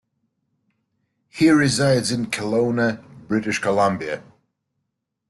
He resides in Kelowna, British Columbia.